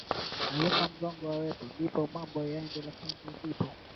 lazima Mghongo awepo ndipo mambo yaende Lakini kama nilivyoeleza hapo kabla kwa baadhi ya